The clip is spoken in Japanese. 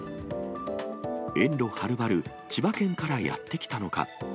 遠路はるばる、千葉県からやって来たのか。